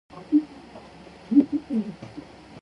Systems vary highly.